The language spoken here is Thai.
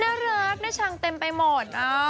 น่ารักน่าชังเต็มไปหมด